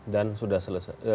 dan sudah selesai